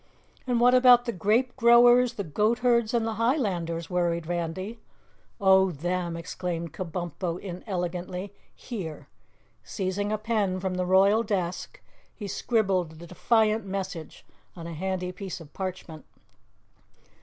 "And what about the Grape Growers, the Goatherds and Highlanders?" worried Randy. "Oh, them!" exclaimed Kabumpo inelegantly. "Here!" Seizing a pen from the royal desk, he scribbled a defiant message on a handy piece of parchment.